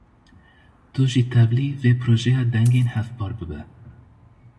Tu jî tevlî vê projeya dengên hevpar bibe.